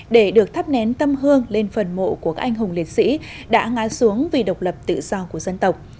để được thắp nén tâm hương lên phần mộ của các anh hùng liệt sĩ đã ngã xuống vì độc lập tự do của dân tộc